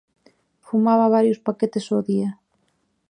Fumaba varios paquetes ao día.